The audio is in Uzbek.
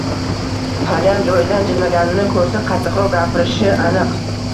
Haliyam joyidan jilmaganini koʻrsa, qattiqroq gapirishi aniq.